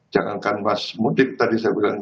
jangankan pas mudik tadi saya bilang